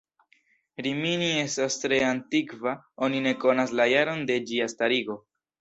Rimini estas tre antikva, oni ne konas la jaron de ĝia starigo.